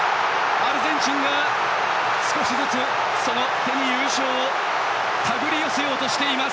アルゼンチンが少しずつその手に優勝を手繰り寄せようとしています。